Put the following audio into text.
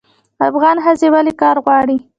افغان ښځې ولې کار غواړي؟